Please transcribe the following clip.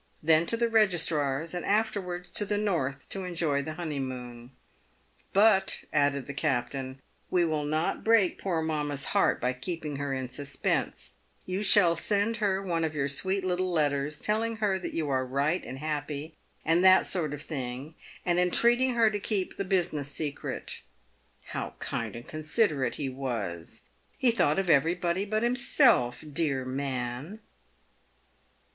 Then to the ^Registrar's, and afterwards to the north to enjoy the honeymoon. "But," added the captain, "we will not break poor mamma's heart by keeping her in suspense ; you shall send her one of your sweet little letters, telling her that you are right and happy, and that sort of thing, and entreating her to keep the business secret." How kind and considerate he was ; he thought of everybody but himself, dear man.